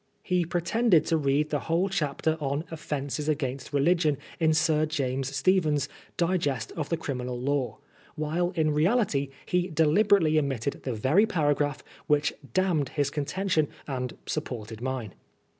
He pretended to read the whole 104 PBISONER FOB BLASPHEMY. chapter on Offences against Religion in Sir James Stephen's "Digest of the Criminal Law," while in reality he deliberately omitted the very paragraph which damned his contention and supported mine.